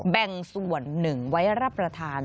แบ่งส่วนหนึ่งไว้รับประทาน